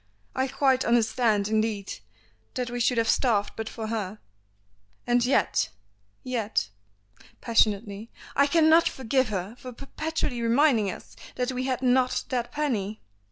I quite understand, indeed, that we should have starved but for her, and yet yet " passionately, "I cannot forgive her for perpetually reminding us that we had not that penny!"